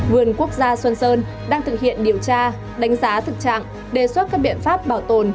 vườn quốc gia xuân sơn đang thực hiện điều tra đánh giá thực trạng đề xuất các biện pháp bảo tồn